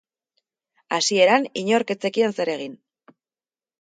Hasieran, inork ez zekien zer egin.